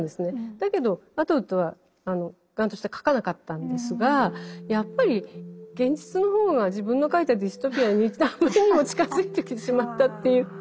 だけどアトウッドは頑として書かなかったんですがやっぱり現実の方が自分の書いたディストピアにあまりにも近づいてきてしまったっていう。